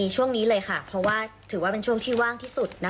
ช่วงนี้เลยค่ะเพราะว่าถือว่าเป็นช่วงที่ว่างที่สุด